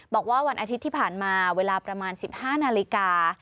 บอกว่าวันอาทิตย์ที่ผ่านมาเวลาประมาณ๑๕นาฬิกา